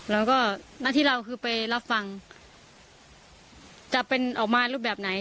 แล้วก็หน้าที่เราคือไปรับฟังจะเป็นออกมารูปแบบไหน